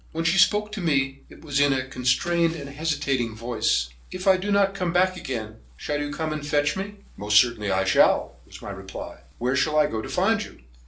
When she spoke to me it was in a constrained and hesitating voice: "If I do not come back again, shall you come and fetch me?" "Most certainly I shall," was my reply. "Where shall I go to find you?"